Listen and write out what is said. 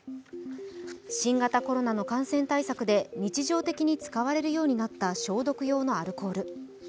新型コロナの感染対策で日常的に使われるようになった消毒用のアルコール。